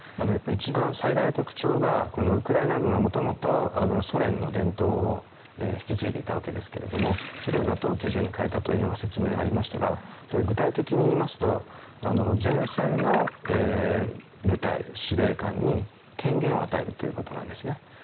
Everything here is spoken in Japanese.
一番、最大の特徴がウクライナ軍はもともと、ソ連の伝統を引き継いでいたわけですがそれをＮＡＴＯ基準に変えたと説明がありましたが具体的に言うと前線の部隊、司令官に権限を与えるということなんですね。